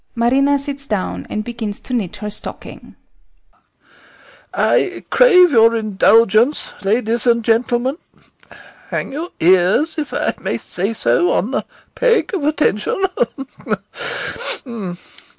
[MARINA sits down and begins to knit her stocking] I crave your indulgence, ladies and gentlemen; hang your ears, if I may say so, on the peg of attention.